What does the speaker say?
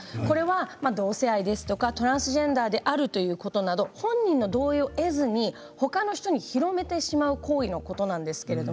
同性愛やトランスジェンダーであるということなどを本人の同意を得ずにほかの人に広めてしまう行為のことなんです。